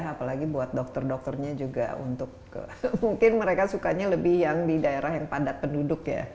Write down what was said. apalagi buat dokter dokternya juga untuk ke mungkin mereka sukanya lebih yang di daerah yang padat penduduk ya